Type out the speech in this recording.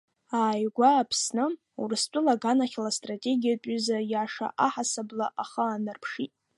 Ааигәа Аԥсны Урыстәыла аганахьала астратегиатә ҩыза иаша аҳасабала ахы аанарԥшит.